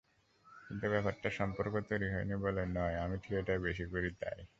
কিন্তু ব্যাপারটা সম্পর্ক তৈরি হয়নি বলে নয়, আমি থিয়েটার বেশি করি, তাই।